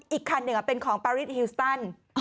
อีกคันหนึ่งเป็นของปาริสฮิวสตัน